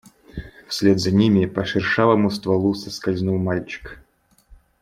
Вслед за ними по шершавому стволу соскользнул мальчик.